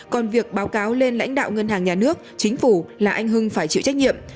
còn việc báo cáo lên lãnh đạo ngân hàng nhà nước chính phủ là anh hưng phải chịu trách nhiệm